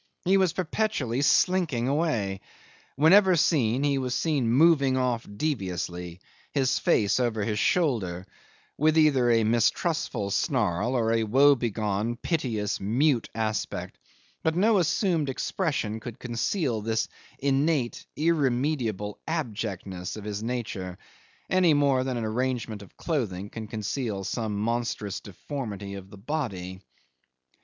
He was perpetually slinking away; whenever seen he was seen moving off deviously, his face over his shoulder, with either a mistrustful snarl or a woe begone, piteous, mute aspect; but no assumed expression could conceal this innate irremediable abjectness of his nature, any more than an arrangement of clothing can conceal some monstrous deformity of the body.